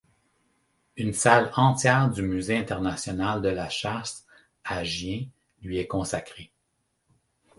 Une salle entière du musée international de la Chasse à Gien lui est consacrée.